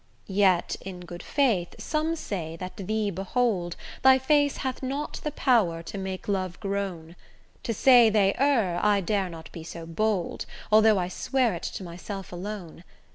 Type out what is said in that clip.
Yet, in good faith, some say that thee behold, Thy face hath not the power to make love groan; To say they err I dare not be so bold, Although I swear it to myself alone.